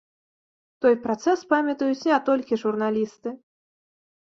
Той працэс памятаюць не толькі журналісты.